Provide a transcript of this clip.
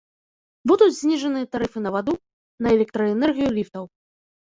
Будуць зніжаныя тарыфы на ваду, на электраэнергію ліфтаў.